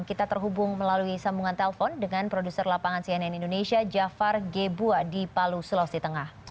kita terhubung melalui sambungan telpon dengan produser lapangan cnn indonesia jafar gebua di palu sulawesi tengah